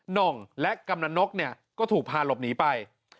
น่องและกำหนังนกก็ถูกพาหลบหนีไป